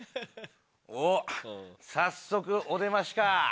おっ早速お出ましか。